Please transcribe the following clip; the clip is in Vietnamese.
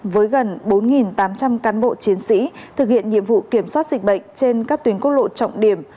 với gần bốn tám trăm linh cán bộ chiến sĩ thực hiện nhiệm vụ kiểm soát dịch bệnh trên các tuyến quốc lộ trọng điểm